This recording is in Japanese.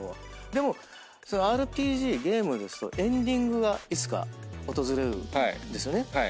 でもそのＲＰＧゲームですとエンディングがいつか訪れるんですよね。